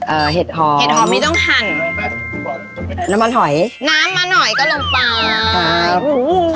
เห็ดหอมเห็ดหอมไม่ต้องหั่นน้ำมันหอยน้ำมาหน่อยก็ลงไปโอ้โห